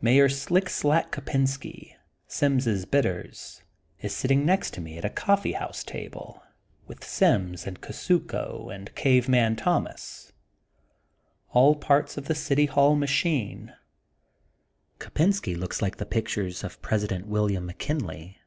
Mayor Slick Slack Kopensky, Sims' Bitters,'* is sitting next to me at a coffee house table with Sims and Kusuko and Cave Man Thomas, all parts of the City Hall machine. Kopensky looks like the pic tures of President William McKinley.